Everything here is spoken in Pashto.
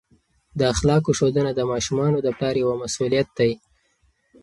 د اخلاقو ښودنه د ماشومانو د پلار یوه مسؤلیت دی.